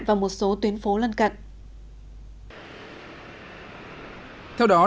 và một số tuyến phố lân cận